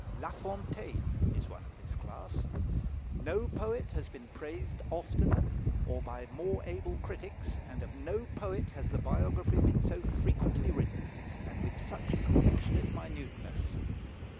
La Fontaine is one of this class. No poet has been praised oftener, or by more able critics, and of no poet has the biography been so frequently written, and with such affectionate minuteness.